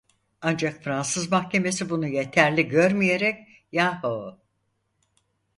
Ancak Fransız Mahkemesi bunu yeterli görmeyerek Yahoo!